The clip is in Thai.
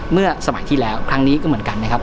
เมื่อสมัยที่แล้วครั้งนี้ก็เหมือนกันนะครับ